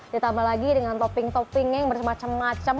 ditambah lagi dengan topping topping yang bermacam macam